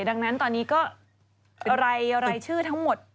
ดังนั้นตอนนี้ก็รายชื่อทั้งหมด